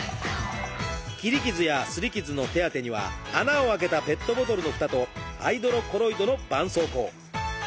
切り傷やすり傷の手当てには穴を開けたペットボトルのふたとハイドロコロイドのばんそうこう。